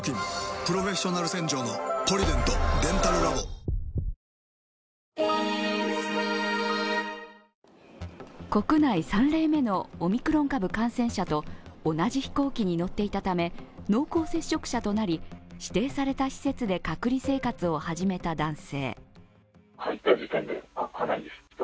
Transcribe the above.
濃厚接触者として今日から指定されたホテルに国内３例目のオミクロン株感染者と同じ飛行機に乗っていたため濃厚接触者となり、指定された施設で隔離生活を始めた男性。